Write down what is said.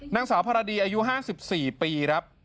นางสาวภรดีอายุ๕๔ปี